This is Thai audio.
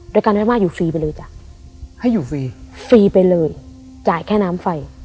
โดยการให้มาอยู่ฟรีไปเลยจ้ะให้อยู่ฟรีฟรีไปเลยจ่ายแค่น้ำไฟ